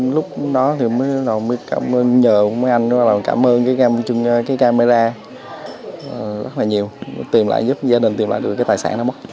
lúc đó mới nhờ mấy anh cảm ơn camera rất là nhiều giúp gia đình tìm lại được tài sản mất